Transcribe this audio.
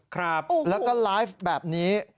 ครับโอ้โฮและก็ไลฟ์แบบนี้